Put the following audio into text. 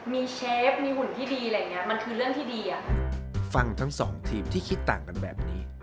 มีเชฟมีหุ่นที่ดีอะไรอย่างเงี้ย